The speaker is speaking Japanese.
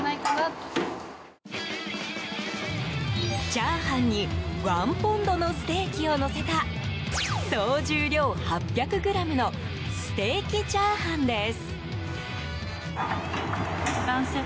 チャーハンに１ポンドのステーキをのせた総重量８００ｇのステーキチャーハンです。